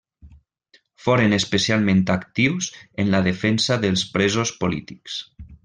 Foren especialment actius en la defensa dels presos polítics.